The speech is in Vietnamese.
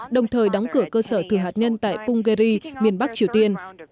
đồng thời đóng cửa cơ sở thử hạt nhân tại punggye ri miền bắc triều tiên